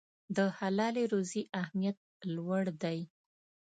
د حلالې روزي اهمیت لوړ دی.